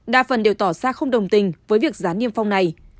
đa phần đều tỏ xa không đồng tình với việc rán niêm phong này